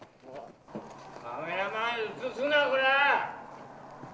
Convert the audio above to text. カメラマン、映すな、こら！